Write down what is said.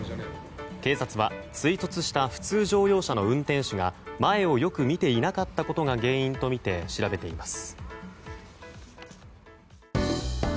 警察は追突した普通乗用車の運転手が前をよく見ていなかったことが原因とみて調べています。